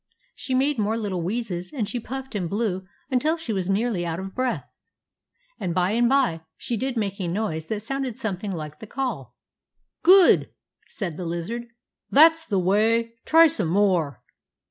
She made more little wheezes and she puffed and blew until she was nearly out of breath ; and by and by she did make a noise that sounded something like the call. " Good !" said the lizard. " That 's the way! Try some more."